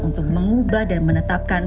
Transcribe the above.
untuk mengubah dan menetapkan